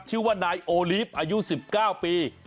ชื่อว่านายโอลีฟอายุ๑๙ปี